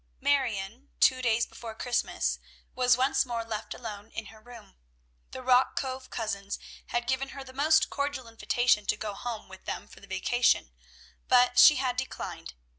Marion, two days before Christmas, was once more left alone in her room. The Rock Cove cousins had given her the most cordial invitation to go home with them for the vacation, but she had declined.